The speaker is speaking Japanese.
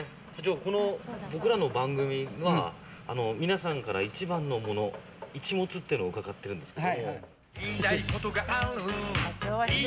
僕らの番組が皆さんから一番のもの、イチモツっていうのを伺ってるんですけど。